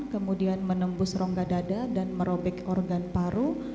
kemudian menembus rongga dada dan merobek organ paru